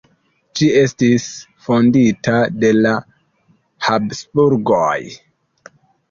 Ĝi estis fondita de la Habsburgoj.